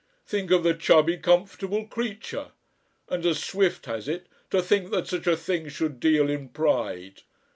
Think of the chubby, comfortable creature! And, as Swift has it to think that such a thing should deal in pride!...